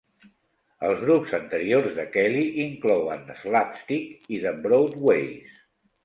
Els grups anteriors de Kelly inclouen Slapstick i The Broadways.